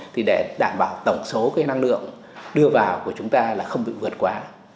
thì để đảm bảo tổng số cái năng lượng đưa vào của chúng ta là không bị vượt qua